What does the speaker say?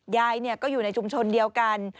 ยายก็อยู่ในชุมชนเดียวกัน